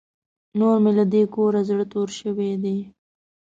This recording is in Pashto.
نور مې له دې کوره زړه تور شوی دی.